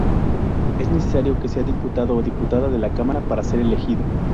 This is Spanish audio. Es necesario que sea diputado o diputada de la Cámara para ser elegido.